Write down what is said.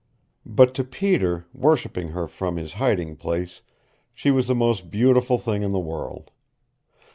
But to Peter, worshipping her from his hiding place, she was the most beautiful thing in the world.